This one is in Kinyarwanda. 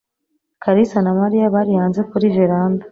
Kalisa na Mariya bari hanze kuri veranda.